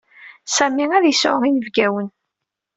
Sami ad yesɛu yinebgawen.